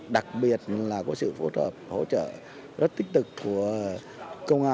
đặc biệt là có sự phối hợp hỗ trợ rất tích cực của tổ công tác